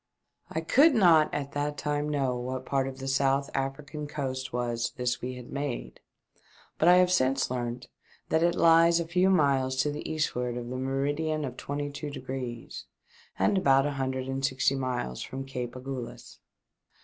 I COULD not at that time know what part of the South African coast was this we had made, but I have since learnt that it lies a few miles to the eastward of the meridian of twenty two degrees, and about an hundred and sixty miles from Cape Agulhas.